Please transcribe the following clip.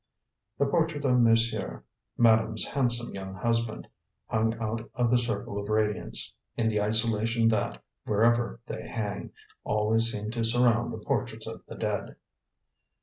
The portrait of monsieur, madame's handsome young husband, hung out of the circle of radiance, in the isolation that, wherever they hang, always seems to surround the portraits of the dead.